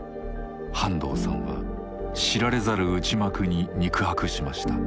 半藤さんは知られざる内幕に肉薄しました。